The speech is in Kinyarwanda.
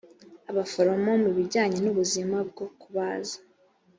abaforomo mubijyanye n ubuzima bwo kubaza